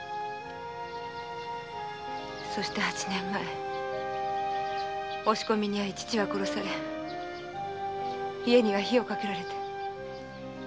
そして八年前押し込みに遭い父は殺され家には火をかけられ。